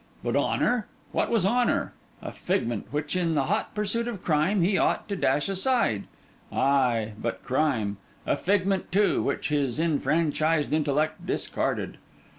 But honour? what was honour? A figment, which, in the hot pursuit of crime, he ought to dash aside. Ay, but crime? A figment, too, which his enfranchised intellect discarded.